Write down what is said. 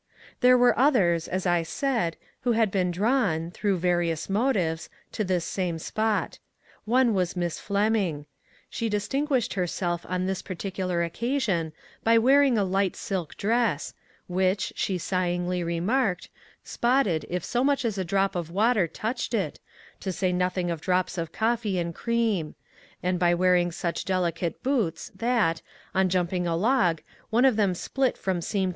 There were others, as I said, who had been i drawn, through various motives, to this same spot. One was Miss Fleming. She distinguished herself on this particular occasion by wearing a light silk dress, which, she sighingly remarked, spotted if so much as a drop of water touched it, "to siy nothing of drops of coffee and cream; and by wearing such delicate boots that, in jumping a log, one of them split from seam 8O ONE COMMONPLACE DAY.